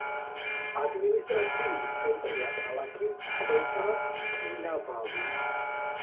ადმინისტრაციული ცენტრია ქალაქი კოტა-კინაბალუ.